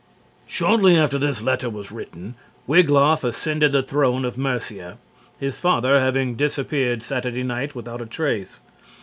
Shortly after this letter was written, Wiglaf ascended the throne of Mercia, his father having disappeared Saturday night without trace.